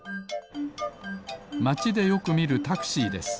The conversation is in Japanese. まちでよくみるタクシーです。